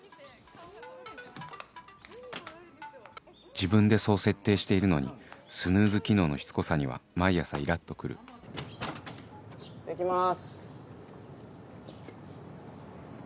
（自分でそう設定しているのにスヌーズ機能のしつこさには毎朝イラっと来るいってきます。